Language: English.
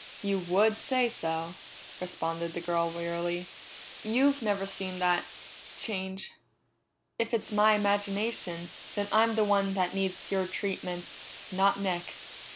"You would say so," responded the girl wearily. "You've never seen that change. If it's my imagination, then I'm the one that needs your treatments, not Nick."